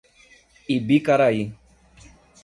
Ibicaraí